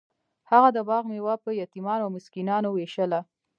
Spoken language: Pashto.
هغه د باغ میوه په یتیمانو او مسکینانو ویشله.